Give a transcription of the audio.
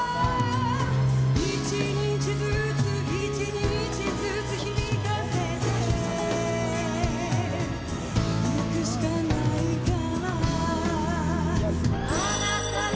「一日ずつ一日ずつ響かせていくしかないから」